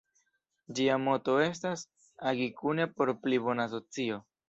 Ĝia moto estas "Agi kune por pli bona socio".